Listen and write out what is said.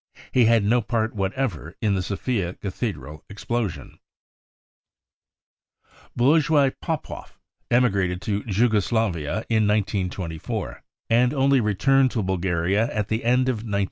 He had no part whatever in the Sofia cathedral explosion. Blogoi Popoff emigrated to Jugoslavia in 1924, and only returned to Bulgaria at the end of 1930.